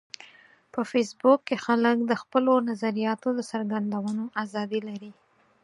په فېسبوک کې خلک د خپلو نظریاتو د څرګندولو ازادي لري